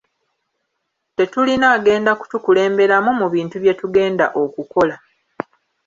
Tetulina agenda kutukulemberamu mu bintu bye tugenda okukola.